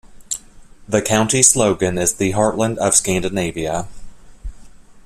The county slogan is "The heartland of Scandinavia".